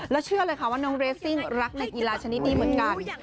เชื่อเลยค่ะว่าน้องเรสซิ่งรักในกีฬาชนิดนี้เหมือนกัน